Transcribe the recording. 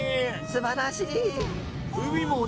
すばらしい。